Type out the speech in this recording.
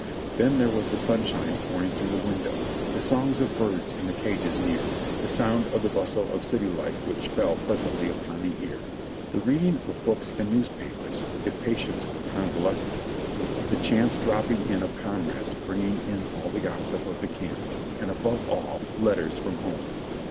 Then there was the sunshine pouring through the window ; the songs of birds in the cages near ; the sound of the bustle of city life which fell pleasantly upon the ear; the reading of books and newspapers (if patients were convalescent), the chance dropping in of comrades bringing in all the gossip of the camp; and above all, letters from home.